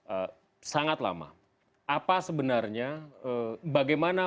orang dekat prabowo subianto yang mengenal prabowo dari dekat